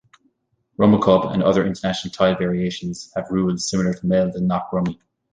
Rummikub and other international tile variations have rules similar to meld and knock rummy.